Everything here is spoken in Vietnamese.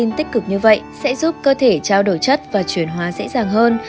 thông tin tích cực như vậy sẽ giúp cơ thể trao đổi chất và chuyển hóa dễ dàng hơn